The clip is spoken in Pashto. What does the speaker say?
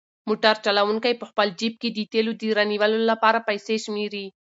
موټر چلونکی په خپل جېب کې د تېلو د رانیولو لپاره پیسې شمېري.